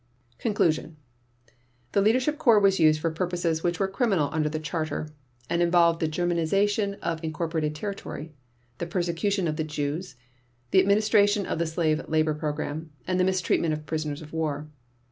Conclusion The Leadership Corps was used for purposes which were criminal under the Charter and involved the Germanization of incorporated territory, the persecution of the Jews, the administration of the slave labor program, and the mistreatment of prisoners of war.